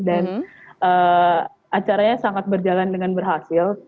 dan acaranya sangat berjalan dengan berhasil